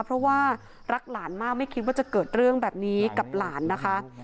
เพราะว่ารักหลานมากไม่คิดว่าจะเกิดเรื่องแบบนี้กับหลานนะคะ